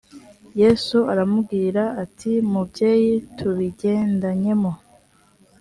yesu aramubwira ati mubyeyi tubigendanyemo